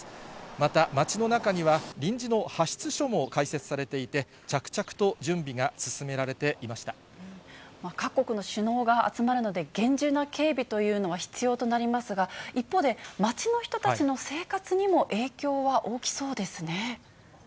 また、町の中には臨時の派出所も開設されていて、各国の首脳が集まるので、厳重な警備というのが必要となりますが、一方で、町の人たちの生活にも影響は大きそうですね。